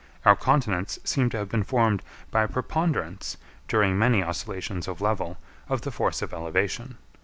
Our continents seem to have been formed by a preponderance, during many oscillations of level, of the force of elevation.